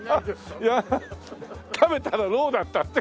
いや食べたらろうだったって。